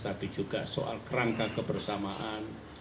tapi juga soal kerangka kebersamaan